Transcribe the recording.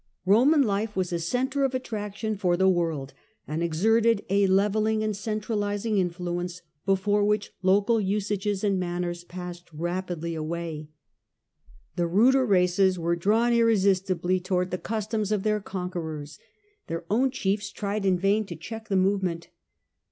Roman life was a centre of attraction for the world, and exerted a levelling and centralizing influence before which local usages and manners passed rapidly away. The ruder races were drawn irresistibly towards the customs of Life in the Provinces, 1 89 cheir conquerors. Their own chiefs tried in vain to check the movement.